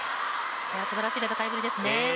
すばらしい戦いぶりですね。